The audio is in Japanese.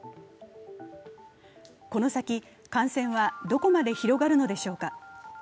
この先、感染はどこまで広がるのでしょうか。